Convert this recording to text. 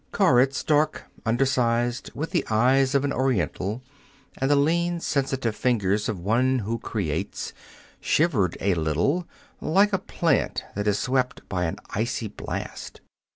Koritz, dark, undersized, with the eyes of an Oriental and the lean, sensitive fingers of one who creates, shivered a little, like a plant that is swept by an icy blast.